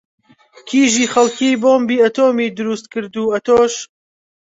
کیژی خەڵکی بۆمی ئاتۆمی دروست کرد و ئەتۆش